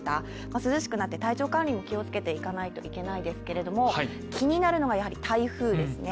涼しくなって体調管理に気をつけていかないといけないですが気になるのが台風ですね。